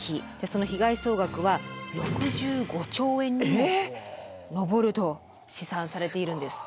その被害総額は６５兆円にも上ると試算されているんです。